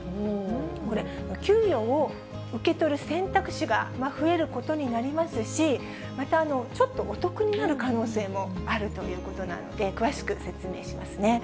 これ、給与を受け取る選択肢が増えることになりますし、またちょっとお得になる可能性もあるということなので、詳しく説明しますね。